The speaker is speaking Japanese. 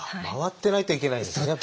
回ってないといけないんですね。